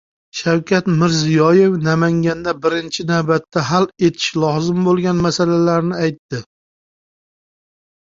Shavkat Mirziyoyev Namanganda birinchi navbatda hal etilishi lozim bo‘lgan masalalarni aytdi